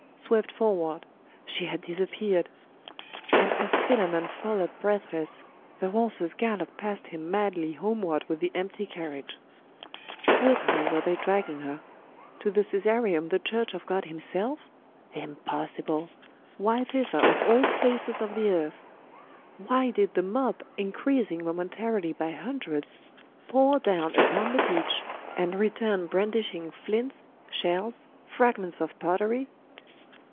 swept forward.... she had disappeared! and as Philammon followed breathless, the horses galloped past him madly homeward with the empty carriage. Whither were they dragging her? To the Caesareum, the Church of God Himself? Impossible! Why thither of all places of the earth? Why did the mob, increasing momentarily by hundreds, pour down upon the beach, and return brandishing flints, shells, fragments of pottery?